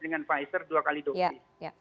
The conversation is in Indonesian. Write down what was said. dengan pfizer dua kali dosis